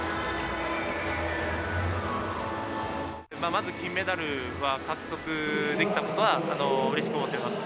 まず、金メダルは獲得できたことはうれしく思ってます。